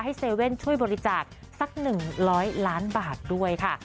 เซเว่นช่วยบริจาคสัก๑๐๐ล้านบาทด้วยค่ะ